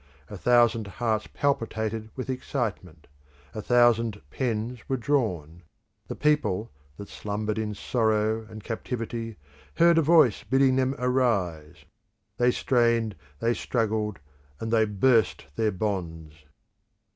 A thousand hearts palpitated with excitement; a thousand pens were drawn; the people that slumbered in sorrow and captivity heard a voice bidding them arise; they strained, they struggled, and they burst their bonds.